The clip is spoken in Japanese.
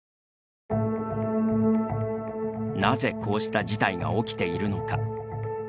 なぜこうした事態が起きているのか。